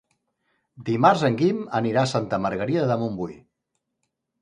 Dimarts en Guim anirà a Santa Margarida de Montbui.